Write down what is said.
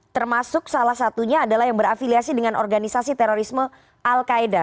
termasuk salah satunya adalah yang berafiliasi dengan organisasi terorisme al qaeda